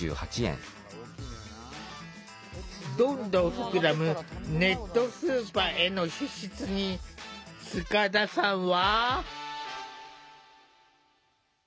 どんどん膨らむネットスーパーへの支出に塚田さんは。